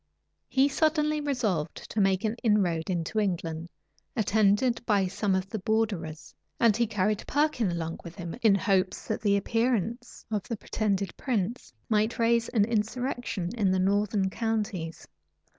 He suddenly resolved to make an inroad into England, attended by some of the borderers; and he carried Perkin along with him, in hopes that the appearance of the pretended prince might raise an insurrection in the northern counties.